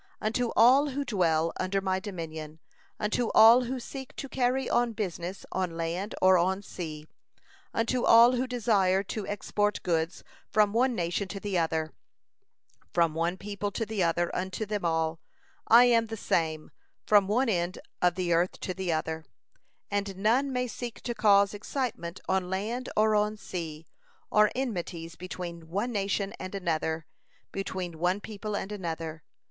Unto all who dwell under my dominion, unto all who seek to carry on business on land or on sea, unto all who desire to export goods from one nation to the other, from one people to the other unto them all, I am the same, from one end of the earth to the other, and none may seek to cause excitement on land or on sea, or enmities between one nation and another, between one people and another.